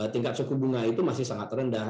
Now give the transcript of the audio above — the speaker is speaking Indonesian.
tingkat suku bunga itu masih sangat rendah